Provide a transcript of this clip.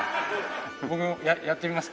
僕もやってみますか？